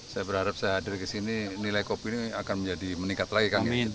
saya berharap saya hadir ke sini nilai kopi ini akan menjadi meningkat lagi kang